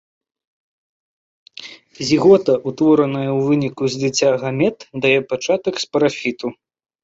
Зігота, утвораная ў выніку зліцця гамет, дае пачатак спарафіту.